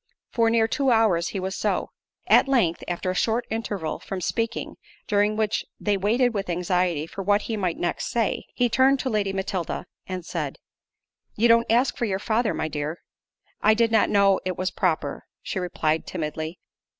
For near two hours he was so.——At length, after a short interval from speaking, (during which they waited with anxiety for what he might next say) he turned to Lady Matilda, and said, "You don't ask for your father, my dear." "I did not know it was proper:" she replied, timidly.